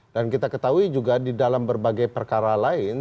dan kita ketahui juga di dalam berbagai perkara lain